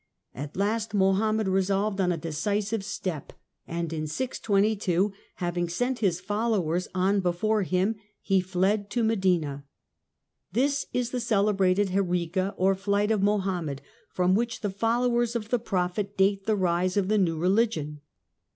At last Mohammed resolved on a decisive step, and in frl 2, having sent his followers on before him, he fled to Medina. This is the celebrated "Heriga" or Flight of Mohammed, from which the followers of the prophet date the rise of the new religion.